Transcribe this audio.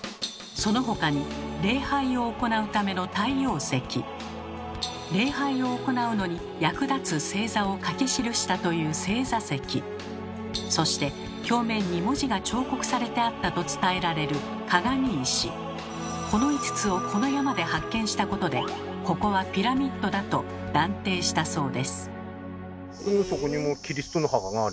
その他に礼拝を行うための礼拝を行うのに役立つ星座を書き記したというそして表面に文字が彫刻されてあったと伝えられるこの５つをこの山で発見したことで「ここはピラミッドだ！」と断定したそうです。